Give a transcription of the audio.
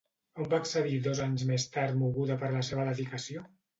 On va accedir dos anys més tard moguda per la seva dedicació?